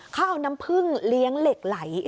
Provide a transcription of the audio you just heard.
เขาเอาน้ำพึ่งเลี้ยงเหล็กไหล